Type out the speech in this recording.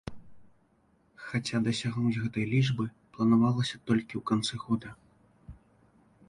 Хаця дасягнуць гэтай лічбы планавалася толькі ў канцы года.